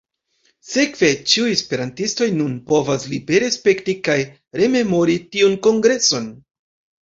Sekve ĉiuj esperantistoj nun povas libere sperti kaj rememori tiun kongreson.